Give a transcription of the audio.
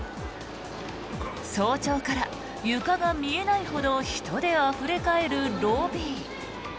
早朝から床が見えないほど人であふれ返るロビー。